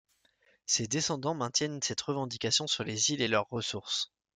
Ses descendants maintiennent cette revendication sur les îles et leurs ressources.